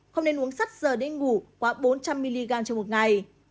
không nên uống sắt giờ đi ngủ quá bốn trăm linh mg trên một ngày